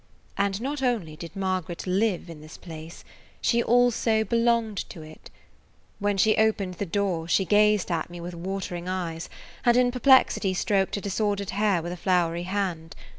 And not only did Margaret live in this place; she also belonged to it. When she opened the door [Page 85] she gazed at me with watering eyes, and in perplexity stroked her disordered hair with a floury hand.